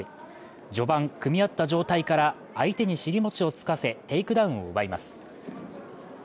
序盤、組み合った状態から相手にしりもちをつかせ、テイクダウンを奪います。